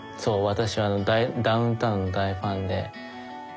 私はダウンタウンの大ファンで。